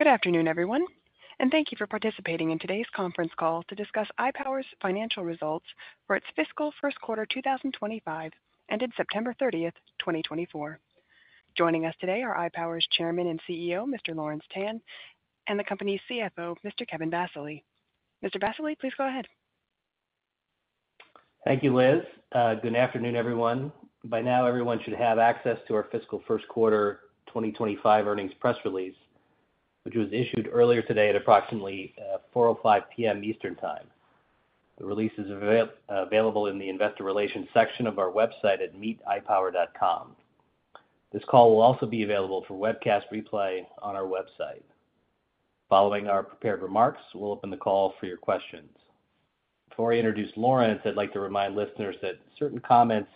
Good afternoon, everyone, and thank you for participating in today's conference call to discuss iPower's financial results for its fiscal first quarter 2025 ended September 30th, 2024. Joining us today are iPower's Chairman and CEO, Mr. Lawrence Tan, and the company's CFO, Mr. Kevin Vassily. Mr. Vassily, please go ahead. Thank you, Liz. Good afternoon, everyone. By now, everyone should have access to our fiscal first quarter 2025 earnings press release, which was issued earlier today at approximately 4:05 P.M. Eastern Time. The release is available in the Investor Relations section of our website at iPower.com. This call will also be available for webcast replay on our website. Following our prepared remarks, we'll open the call for your questions. Before I introduce Lawrence, I'd like to remind listeners that certain comments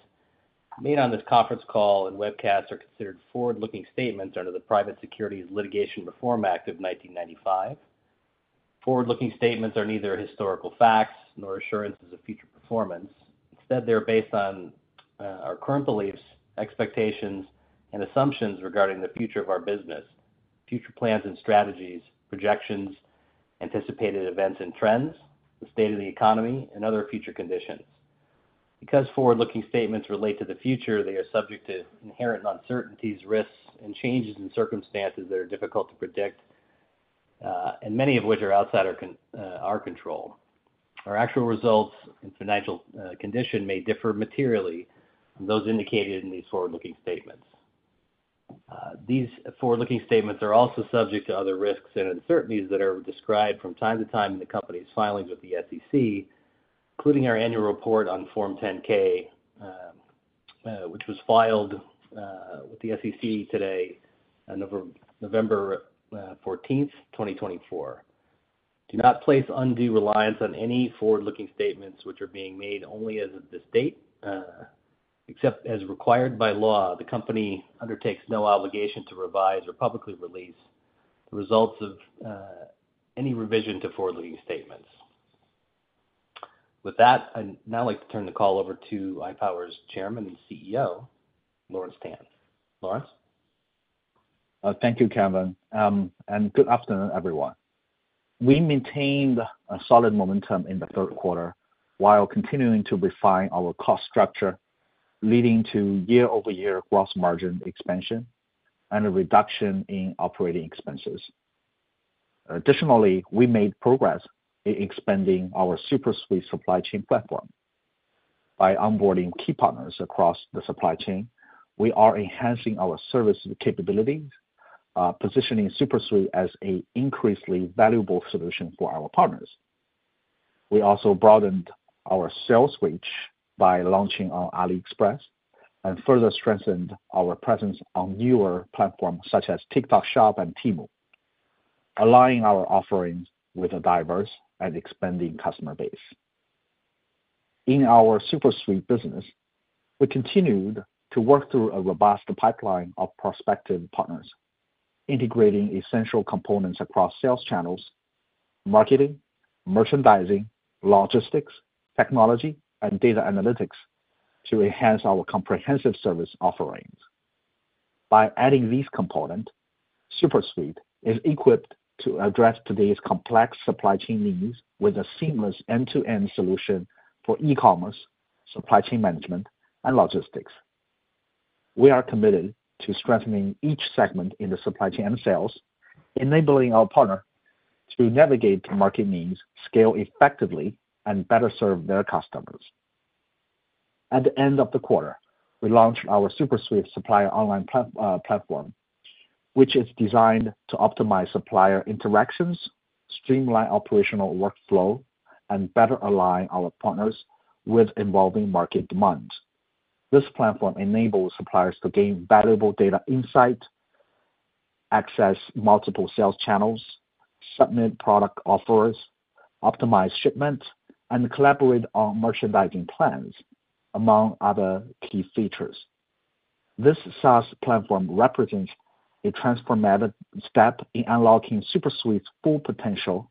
made on this conference call and webcast are considered forward-looking statements under the Private Securities Litigation Reform Act of 1995. Forward-looking statements are neither historical facts nor assurances of future performance. Instead, they are based on our current beliefs, expectations, and assumptions regarding the future of our business, future plans and strategies, projections, anticipated events and trends, the state of the economy, and other future conditions. Because forward-looking statements relate to the future, they are subject to inherent uncertainties, risks, and changes in circumstances that are difficult to predict, and many of which are outside our control. Our actual results and financial condition may differ materially from those indicated in these forward-looking statements. These forward-looking statements are also subject to other risks and uncertainties that are described from time to time in the company's filings with the SEC, including our annual report on Form 10-K, which was filed with the SEC today on November 14th, 2024. Do not place undue reliance on any forward-looking statements, which are being made only as of this date, except as required by law. The company undertakes no obligation to revise or publicly release the results of any revision to forward-looking statements. With that, I'd now like to turn the call over to iPower's Chairman and CEO, Lawrence Tan. Lawrence? Thank you, Kevin, and good afternoon, everyone. We maintained a solid momentum in the third quarter while continuing to refine our cost structure, leading to year-over-year gross margin expansion and a reduction in operating expenses. Additionally, we made progress in expanding our SuperSuite supply chain platform. By onboarding key partners across the supply chain, we are enhancing our service capabilities, positioning SuperSuite as an increasingly valuable solution for our partners. We also broadened our sales reach by launching on AliExpress and further strengthened our presence on newer platforms such as TikTok Shop and Temu, aligning our offerings with a diverse and expanding customer base. In our SuperSuite business, we continued to work through a robust pipeline of prospective partners, integrating essential components across sales channels, marketing, merchandising, logistics, technology, and data analytics to enhance our comprehensive service offerings. By adding these components, SuperSuite is equipped to address today's complex supply chain needs with a seamless end-to-end solution for e-commerce, supply chain management, and logistics. We are committed to strengthening each segment in the supply chain and sales, enabling our partners to navigate market needs, scale effectively, and better serve their customers. At the end of the quarter, we launched our SuperSuite Supplier Online platform, which is designed to optimize supplier interactions, streamline operational workflow, and better align our partners with evolving market demands. This platform enables suppliers to gain valuable data insight, access multiple sales channels, submit product offers, optimize shipments, and collaborate on merchandising plans, among other key features. This SaaS platform represents a transformative step in unlocking SuperSuite's full potential,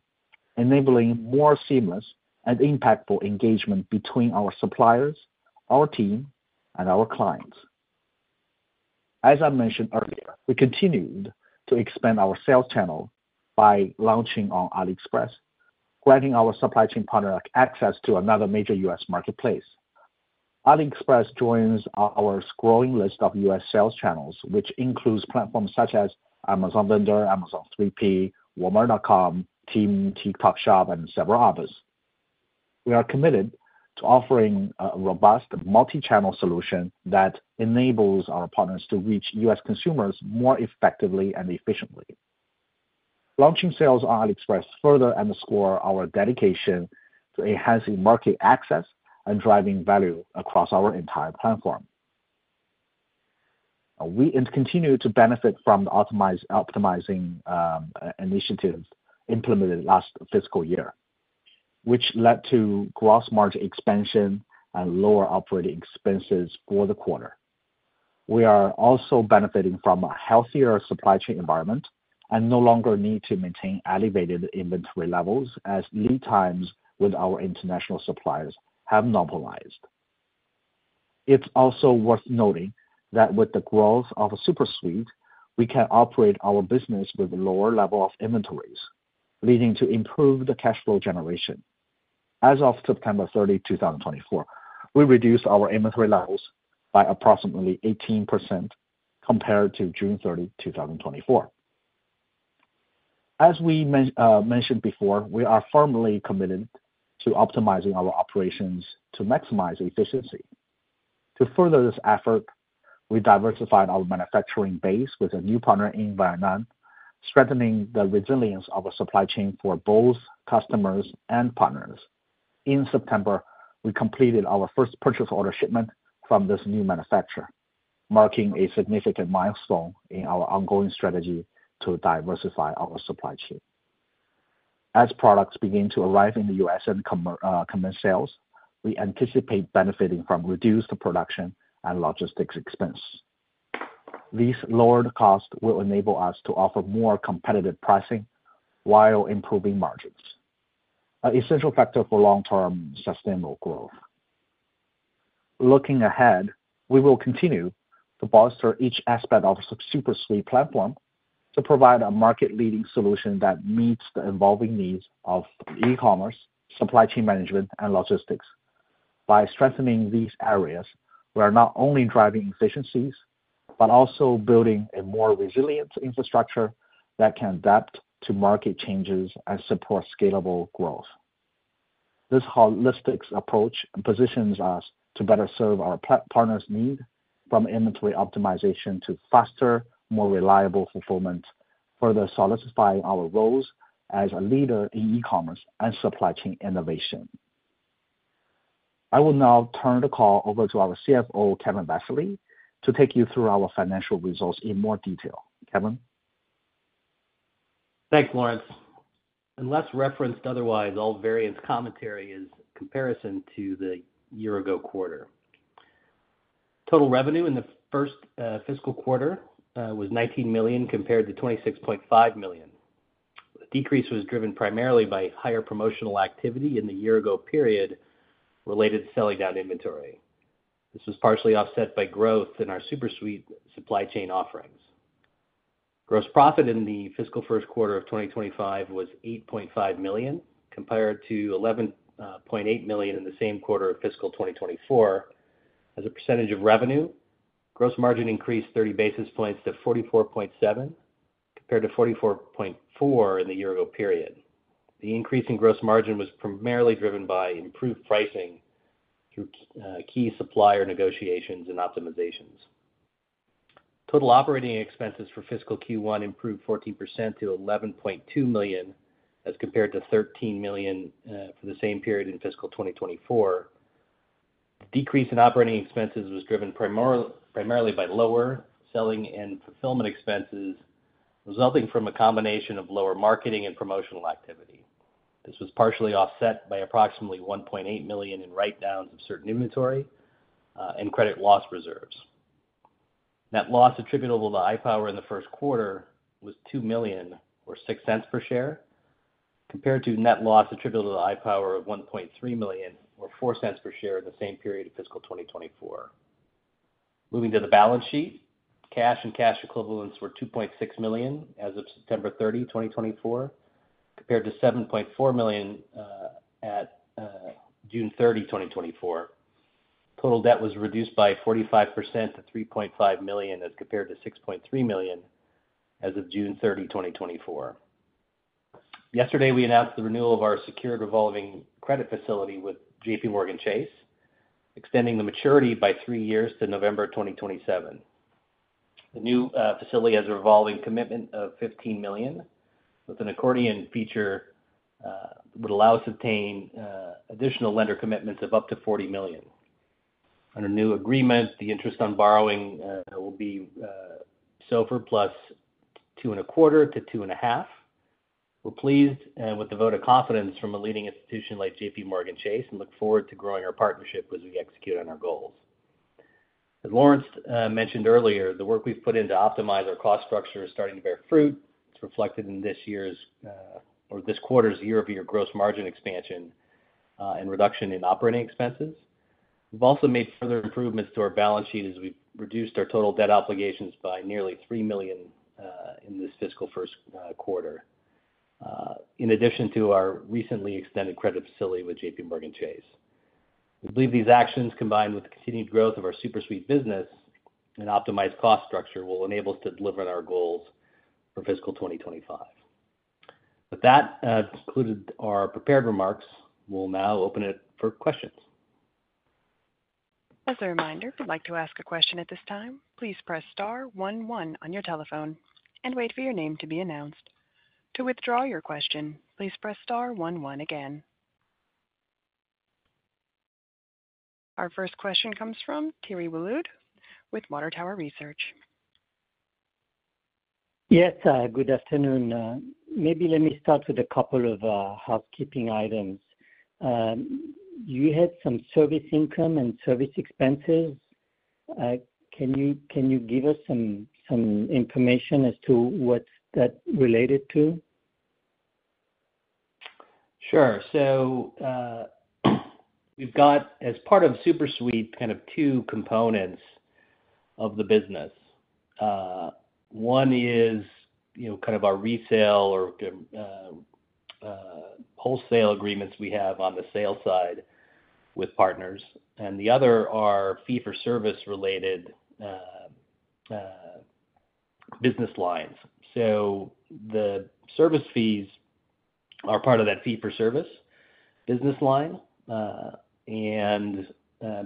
enabling more seamless and impactful engagement between our suppliers, our team, and our clients. As I mentioned earlier, we continued to expand our sales channel by launching on AliExpress, granting our supply chain partner access to another major U.S. marketplace. AliExpress joins our growing list of U.S. sales channels, which includes platforms such as Amazon Vendor, Amazon 3P, Walmart.com, Temu, TikTok Shop, and several others. We are committed to offering a robust multi-channel solution that enables our partners to reach U.S. consumers more effectively and efficiently. Launching sales on AliExpress further underscores our dedication to enhancing market access and driving value across our entire platform. We continue to benefit from the optimizing initiatives implemented last fiscal year, which led to gross margin expansion and lower operating expenses for the quarter. We are also benefiting from a healthier supply chain environment and no longer need to maintain elevated inventory levels as lead times with our international suppliers have normalized. It's also worth noting that with the growth of SuperSuite, we can operate our business with a lower level of inventories, leading to improved cash flow generation. As of September 30, 2024, we reduced our inventory levels by approximately 18% compared to June 30, 2024. As we mentioned before, we are firmly committed to optimizing our operations to maximize efficiency. To further this effort, we diversified our manufacturing base with a new partner in Vietnam, strengthening the resilience of our supply chain for both customers and partners. In September, we completed our first purchase order shipment from this new manufacturer, marking a significant milestone in our ongoing strategy to diversify our supply chain. As products begin to arrive in the U.S. and commence sales, we anticipate benefiting from reduced production and logistics expense. These lowered costs will enable us to offer more competitive pricing while improving margins, an essential factor for long-term sustainable growth. Looking ahead, we will continue to bolster each aspect of the SuperSuite platform to provide a market-leading solution that meets the evolving needs of e-commerce, supply chain management, and logistics. By strengthening these areas, we are not only driving efficiencies but also building a more resilient infrastructure that can adapt to market changes and support scalable growth. This holistic approach positions us to better serve our partners' needs, from inventory optimization to faster, more reliable fulfillment, further solidifying our roles as a leader in e-commerce and supply chain innovation. I will now turn the call over to our CFO, Kevin Vassily, to take you through our financial results in more detail. Kevin? Thanks, Lawrence. Unless referenced otherwise, all variance commentary is comparison to the year-ago quarter. Total revenue in the first fiscal quarter was $19 million compared to $26.5 million. The decrease was driven primarily by higher promotional activity in the year-ago period related to selling down inventory. This was partially offset by growth in our SuperSuite supply chain offerings. Gross profit in the fiscal first quarter of 2025 was $8.5 million compared to $11.8 million in the same quarter of fiscal 2024. As a percentage of revenue, gross margin increased 30 basis points to 44.7% compared to 44.4% in the year-ago period. The increase in gross margin was primarily driven by improved pricing through key supplier negotiations and optimizations. Total operating expenses for fiscal Q1 improved 14% to $11.2 million as compared to $13 million for the same period in fiscal 2024. The decrease in operating expenses was driven primarily by lower selling and fulfillment expenses resulting from a combination of lower marketing and promotional activity. This was partially offset by approximately $1.8 million in write-downs of certain inventory and credit loss reserves. Net loss attributable to iPower in the first quarter was $2 million or $0.06 per share compared to net loss attributable to iPower of $1.3 million or $0.04 per share in the same period of fiscal 2024. Moving to the balance sheet, cash and cash equivalents were $2.6 million as of September 30, 2024, compared to $7.4 million at June 30, 2024. Total debt was reduced by 45% to $3.5 million as compared to $6.3 million as of June 30, 2024. Yesterday, we announced the renewal of our secured revolving credit facility with JPMorgan Chase, extending the maturity by three years to November 2027. The new facility has a revolving commitment of $15 million, with an accordion feature that would allow us to obtain additional lender commitments of up to $40 million. Under new agreement, the interest on borrowing will be SOFR plus 2.25%-2.5%. We're pleased with the vote of confidence from a leading institution like JPMorgan Chase and look forward to growing our partnership as we execute on our goals. As Lawrence mentioned earlier, the work we've put in to optimize our cost structure is starting to bear fruit. It's reflected in this year's or this quarter's year-over-year gross margin expansion and reduction in operating expenses. We've also made further improvements to our balance sheet as we've reduced our total debt obligations by nearly $3 million in this fiscal first quarter, in addition to our recently extended credit facility with JPMorgan Chase. We believe these actions, combined with the continued growth of our SuperSuite business and optimized cost structure, will enable us to deliver on our goals for fiscal 2025. With that concluded our prepared remarks, we'll now open it for questions. As a reminder, if you'd like to ask a question at this time, please press star one one on your telephone and wait for your name to be announced. To withdraw your question, please press star one one again. Our first question comes from Thierry Wuilloud with Water Tower Research. Yes, good afternoon. Maybe let me start with a couple of housekeeping items. You had some service income and service expenses. Can you give us some information as to what's that related to? Sure. So we've got, as part of SuperSuite, kind of two components of the business. One is kind of our resale or wholesale agreements we have on the sale side with partners, and the other are fee-for-service related business lines. So the service fees are part of that fee-for-service business line. And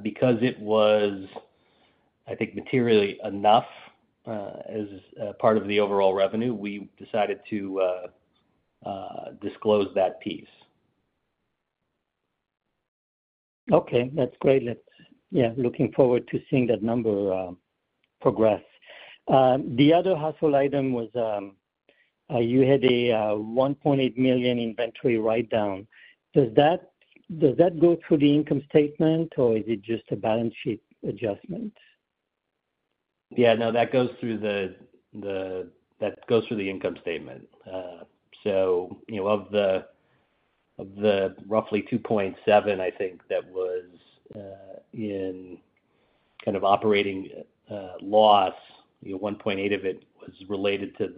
because it was, I think, materially enough as part of the overall revenue, we decided to disclose that piece. Okay, that's great. Yeah, looking forward to seeing that number progress. The other hassle item was you had a $1.8 million inventory write-down. Does that go through the income statement, or is it just a balance sheet adjustment? Yeah, no, that goes through the income statement. So of the roughly 2.7, I think that was in kind of operating loss, 1.8 of it was related to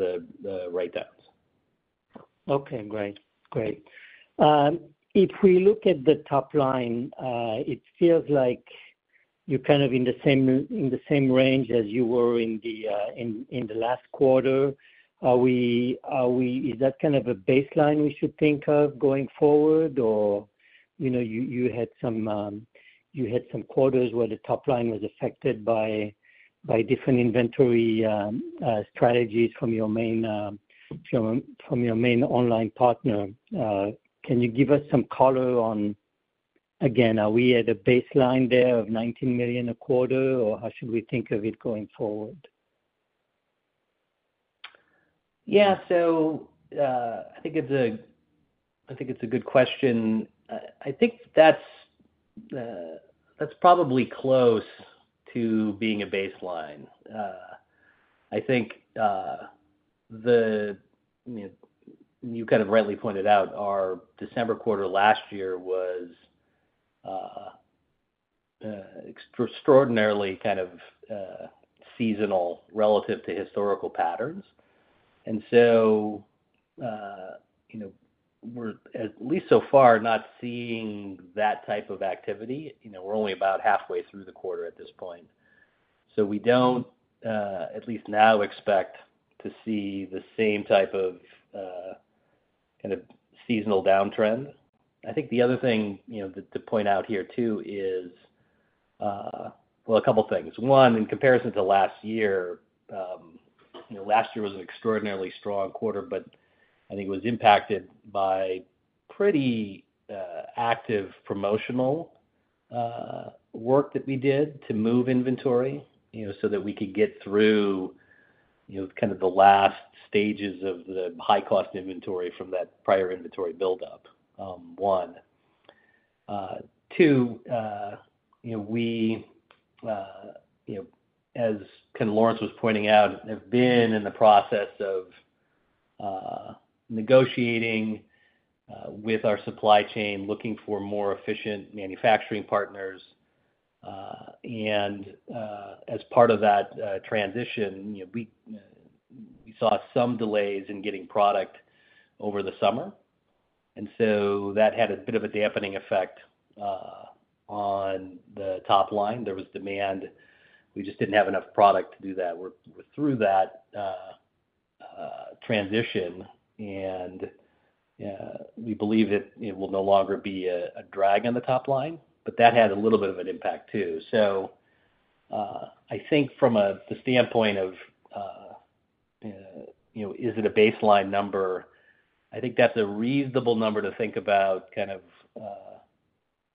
the write-downs. Okay, great. Great. If we look at the top line, it feels like you're kind of in the same range as you were in the last quarter. Is that kind of a baseline we should think of going forward, or you had some quarters where the top line was affected by different inventory strategies from your main online partner? Can you give us some color on, again, are we at a baseline there of $19 million a quarter, or how should we think of it going forward? Yeah, so I think it's a good question. I think that's probably close to being a baseline. I think the, you kind of rightly pointed out, our December quarter last year was extraordinarily kind of seasonal relative to historical patterns, and so we're, at least so far, not seeing that type of activity. We're only about halfway through the quarter at this point, so we don't, at least now, expect to see the same type of kind of seasonal downtrend. I think the other thing to point out here too is, well, a couple of things. One, in comparison to last year, last year was an extraordinarily strong quarter, but I think it was impacted by pretty active promotional work that we did to move inventory so that we could get through kind of the last stages of the high-cost inventory from that prior inventory build-up. One. Two, we, as kind of Lawrence was pointing out, have been in the process of negotiating with our supply chain, looking for more efficient manufacturing partners. And as part of that transition, we saw some delays in getting product over the summer. And so that had a bit of a dampening effect on the top line. There was demand. We just didn't have enough product to do that. We're through that transition, and we believe it will no longer be a drag on the top line. But that had a little bit of an impact too. So I think from the standpoint of, is it a baseline number? I think that's a reasonable number to think about kind of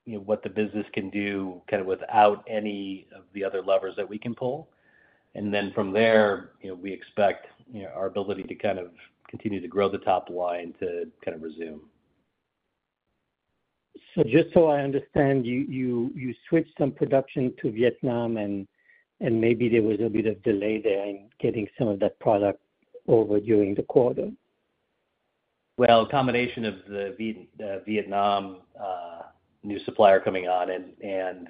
what the business can do kind of without any of the other levers that we can pull. And then from there, we expect our ability to kind of continue to grow the top line to kind of resume. So just so I understand, you switched some production to Vietnam, and maybe there was a bit of delay there in getting some of that product over during the quarter? A combination of the Vietnam new supplier coming on and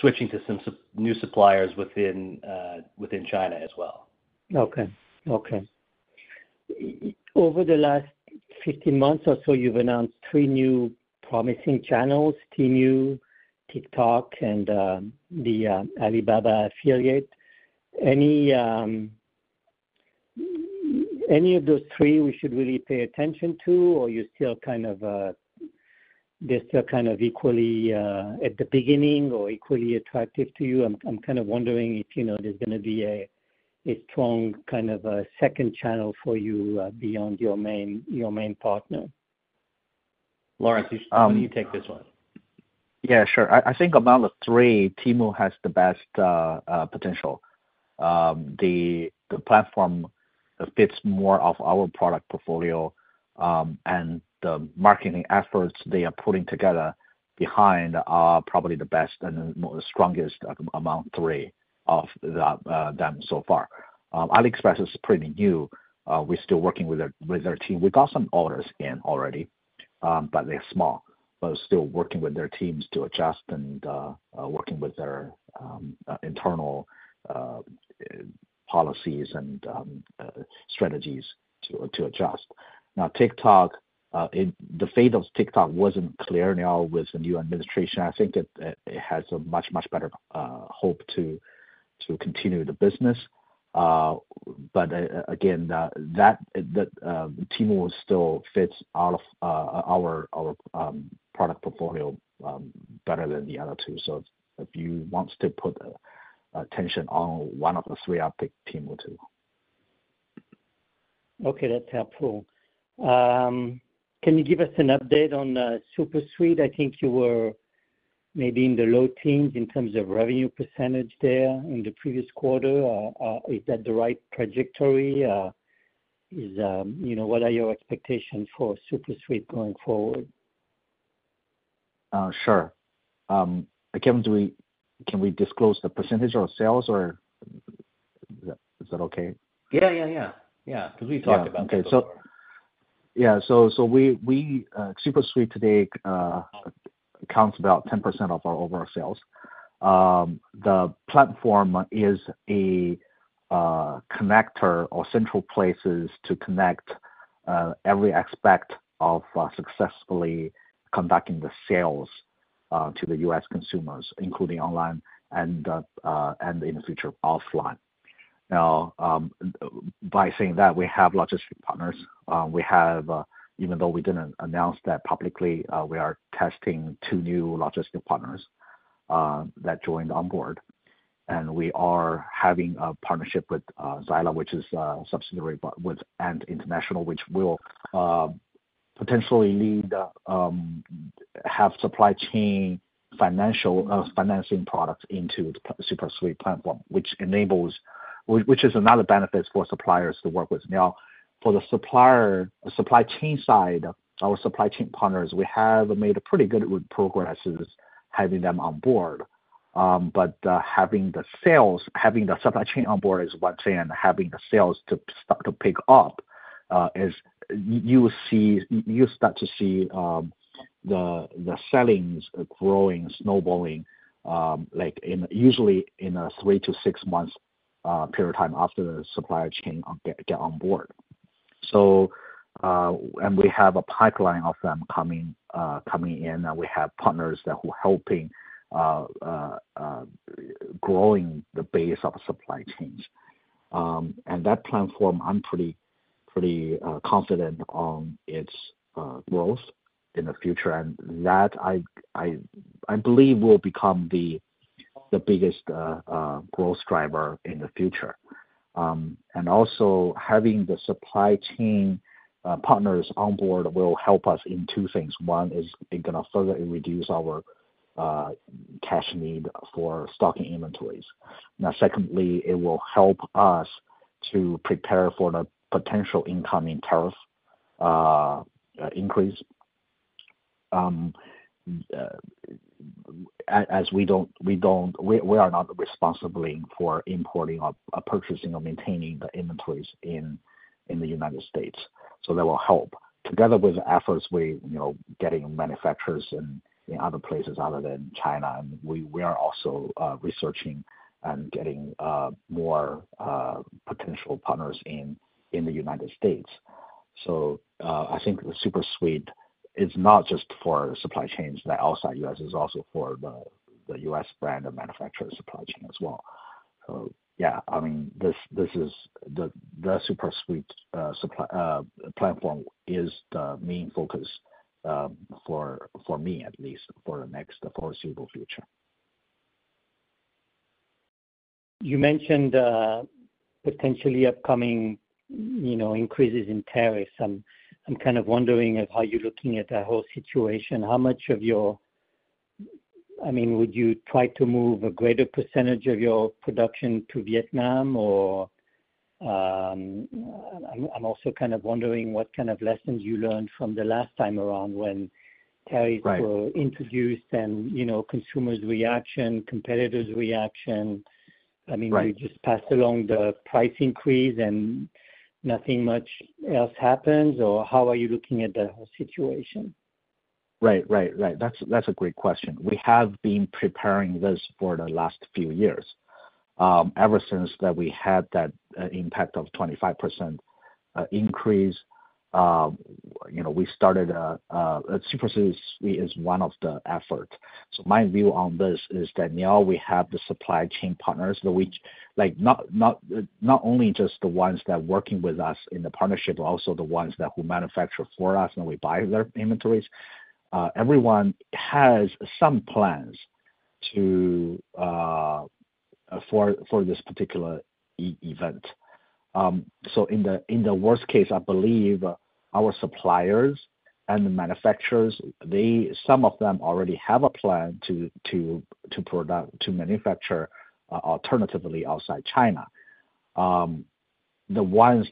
switching to some new suppliers within China as well. Okay. Okay. Over the last 15 months or so, you've announced three new promising channels: Temu, TikTok, and the Alibaba affiliate. Any of those three we should really pay attention to, or you're still kind of they're still kind of equally at the beginning or equally attractive to you? I'm kind of wondering if there's going to be a strong kind of second channel for you beyond your main partner. Lawrence, you take this one. Yeah, sure. I think among the three, Temu has the best potential. The platform fits more of our product portfolio, and the marketing efforts they are putting together behind are probably the best and the strongest among three of them so far. AliExpress is pretty new. We're still working with their team. We got some orders in already, but they're small. But we're still working with their teams to adjust and working with their internal policies and strategies to adjust. Now, TikTok, the fate of TikTok wasn't clear now with the new administration. I think it has a much, much better hope to continue the business. But again, Temu still fits out of our product portfolio better than the other two. So if you want to put attention on one of the three, I'll pick Temu too. Okay, that's helpful. Can you give us an update on SuperSuite? I think you were maybe in the low teens in terms of revenue percentage there in the previous quarter. Is that the right trajectory? What are your expectations for SuperSuite going forward? Sure. Kevin, can we disclose the percentage of our sales, or is that okay? Yeah, yeah, yeah. Yeah, because we talked about that before. Okay. So yeah, so SuperSuite today accounts about 10% of our overall sales. The platform is a connector or central place to connect every aspect of successfully conducting the sales to the U.S. consumers, including online and in the future offline. Now, by saying that, we have logistics partners. Even though we didn't announce that publicly, we are testing two new logistics partners that joined on board. And we are having a partnership with Xry, which is a subsidiary and international, which will potentially have supply chain financing products into the SuperSuite platform, which is another benefit for suppliers to work with. Now, for the supply chain side, our supply chain partners, we have made a pretty good progress having them on board. But having the sales, having the supply chain on board is one thing, and having the sales to pick up is you start to see the sellings growing, snowballing, usually in a three to six months period of time after the supply chain get on board. And we have a pipeline of them coming in, and we have partners that were helping growing the base of supply chains. And that platform, I'm pretty confident on its growth in the future. And that, I believe, will become the biggest growth driver in the future. And also, having the supply chain partners on board will help us in two things. One is going to further reduce our cash need for stocking inventories. Now, secondly, it will help us to prepare for the potential incoming tariff increase, as we are not responsible for importing or purchasing or maintaining the inventories in the United States. So that will help. Together with efforts, we are getting manufacturers in other places other than China. And we are also researching and getting more potential partners in the United States. So I think the SuperSuite is not just for supply chains that outside the U.S.; it's also for the U.S. brand and manufacturer supply chain as well. So yeah, I mean, the SuperSuite platform is the main focus for me, at least, for the foreseeable future. You mentioned potentially upcoming increases in tariffs. I'm kind of wondering how you're looking at that whole situation. How much of your, I mean, would you try to move a greater percentage of your production to Vietnam? Or, I'm also kind of wondering what kind of lessons you learned from the last time around when tariffs were introduced and consumers' reaction, competitors' reaction. I mean, you just passed along the price increase and nothing much else happens, or how are you looking at the whole situation? Right, right, right. That's a great question. We have been preparing this for the last few years. Ever since that we had that impact of 25% increase, we started, SuperSuite is one of the efforts. So my view on this is that now we have the supply chain partners, not only just the ones that are working with us in the partnership, but also the ones who manufacture for us and we buy their inventories. Everyone has some plans for this particular event. So in the worst case, I believe our suppliers and the manufacturers, some of them already have a plan to manufacture alternatively outside China. The ones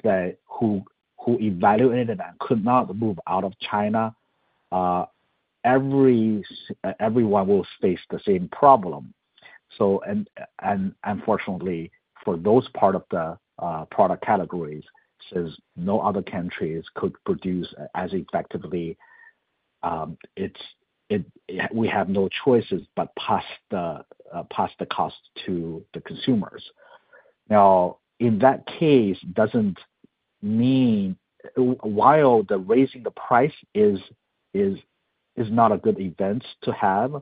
who evaluated and could not move out of China, everyone will face the same problem. And unfortunately, for those parts of the product categories, since no other countries could produce as effectively, we have no choice but pass the cost to the consumers. Now, in that case, while raising the price is not a good event to have,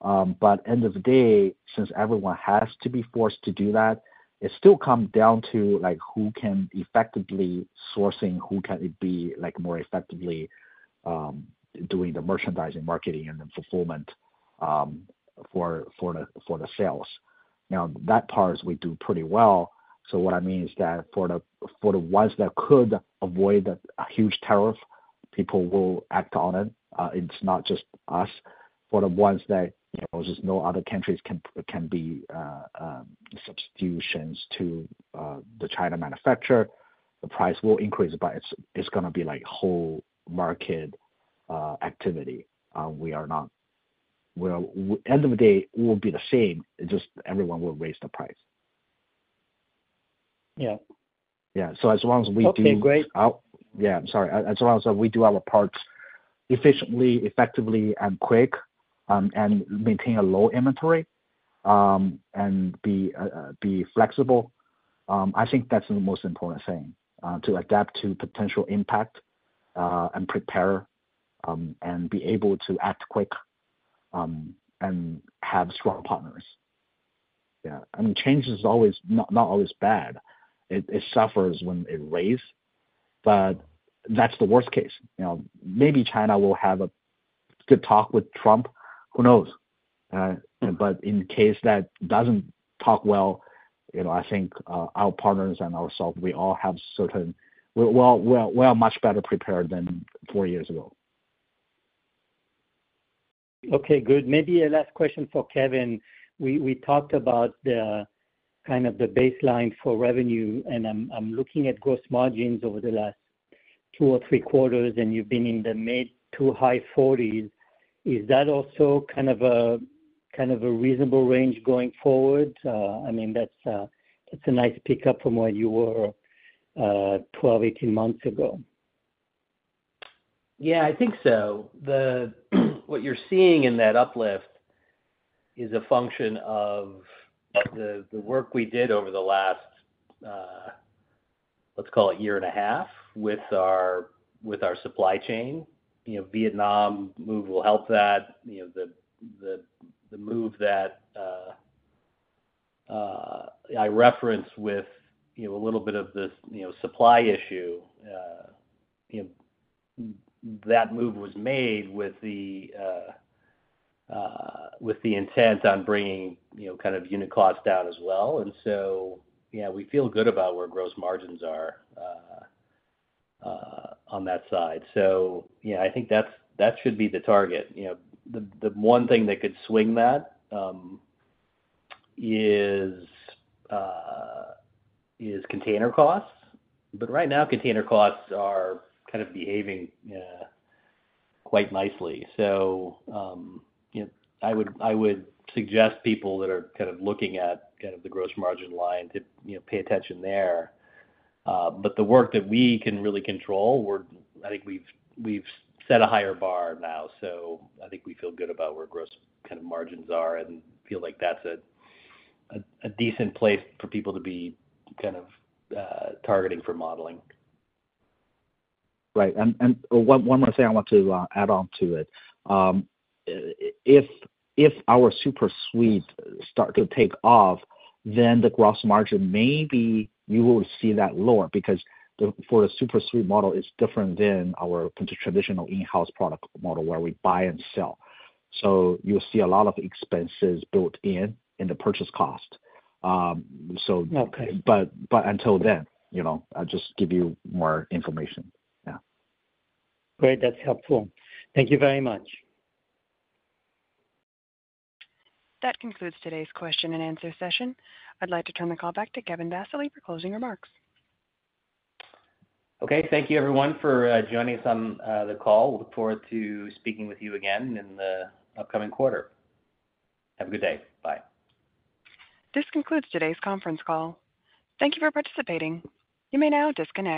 but at the end of the day, since everyone has to be forced to do that, it still comes down to who can effectively source, and who can be more effectively doing the merchandising, marketing, and the fulfillment for the sales. Now, that part we do pretty well. So what I mean is that for the ones that could avoid a huge tariff, people will act on it. It's not just us. For the ones that there's no other countries can be substitutions to the China manufacturer, the price will increase, but it's going to be whole market activity. We are not. At the end of the day, it will be the same. It's just everyone will raise the price. Yeah. Yeah. So as long as we do. Okay, great. Yeah, I'm sorry. As long as we do our parts efficiently, effectively, and quick, and maintain a low inventory, and be flexible, I think that's the most important thing: to adapt to potential impact and prepare and be able to act quick and have strong partners. Yeah. I mean, change is not always bad. It suffers when it raises. But that's the worst case. Maybe China will have a good talk with Trump. Who knows? But in case that doesn't talk well, I think our partners and ourselves, we all have certain. We are much better prepared than four years ago. Okay, good. Maybe a last question for Kevin. We talked about kind of the baseline for revenue, and I'm looking at gross margins over the last two or three quarters, and you've been in the mid to high 40s. Is that also kind of a reasonable range going forward? I mean, that's a nice pickup from where you were 12, 18 months ago. Yeah, I think so. What you're seeing in that uplift is a function of the work we did over the last, let's call it, year and a half with our supply chain. Vietnam move will help that. The move that I referenced with a little bit of this supply issue, that move was made with the intent on bringing kind of unit cost down as well. And so, yeah, we feel good about where gross margins are on that side. So yeah, I think that should be the target. The one thing that could swing that is container costs. But right now, container costs are kind of behaving quite nicely. So I would suggest people that are kind of looking at kind of the gross margin line to pay attention there. But the work that we can really control, I think we've set a higher bar now. So I think we feel good about where gross kind of margins are and feel like that's a decent place for people to be kind of targeting for modeling. Right. And one more thing I want to add on to it. If our SuperSuite start to take off, then the gross margin maybe you will see that lower because for the SuperSuite model, it's different than our traditional in-house product model where we buy and sell. So you'll see a lot of expenses built in in the purchase cost. But until then, I'll just give you more information. Yeah. Great. That's helpful. Thank you very much. That concludes today's question and answer session. I'd like to turn the call back to Kevin Vassily for closing remarks. Okay. Thank you, everyone, for joining us on the call. We look forward to speaking with you again in the upcoming quarter. Have a good day. Bye. This concludes today's conference call. Thank you for participating. You may now disconnect.